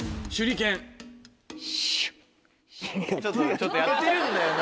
ちょっとやってるんだよな。